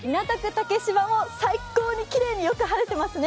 竹芝も最高にきれいによく晴れていますね。